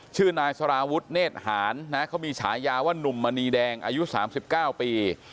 ชื่อนายสารวุฒิเนธหารนะเขามีฉายาว่านุ่มมณีแดงอายุ๓๙ปี